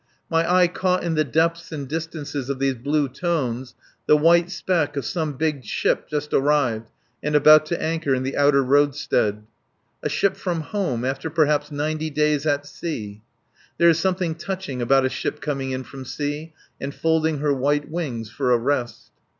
My eye caught in the depths and distances of these blue tones the white speck of some big ship just arrived and about to anchor in the outer roadstead. A ship from home after perhaps ninety days at sea. There is something touching about a ship coming in from sea and folding her white wings for a rest.